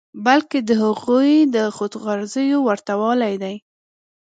بلکې د هغوی د خود غرضیو ورته والی دی.